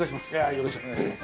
よろしくお願いします。